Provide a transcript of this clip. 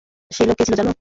সেই লোক কে ছিল জানো?